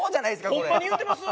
ホンマに言うてます？